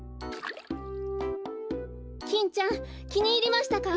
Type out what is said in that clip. キンちゃんきにいりましたか？